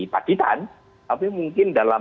pakjitan tapi mungkin dalam